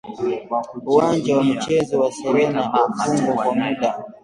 Uwanja wa Michezo wa Serani wafungwa kwa muda